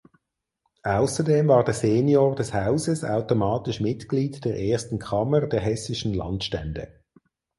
Außerdem war der Senior des Hauses automatisch Mitglied der ersten Kammer der Hessischen Landstände.